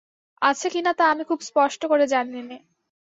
আছে কি না তা আমি খুব স্পষ্ট করে জানি নে।